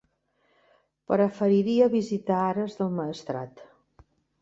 Preferiria visitar Ares del Maestrat.